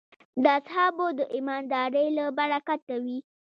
د اصحابو د ایماندارۍ له برکته وې.